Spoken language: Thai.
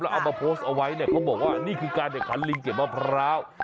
แล้วเอามาโพสต์เอาไว้เขาบอกว่านี่คือการเด็กขันลิงเก็บมะพร้าว